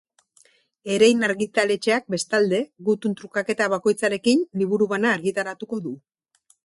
Erein argitaletxeak bestalde, gutun trukaketa bakoitzarekin liburu bana argitaratuko du.